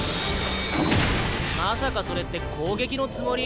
まさかそれって攻撃のつもり？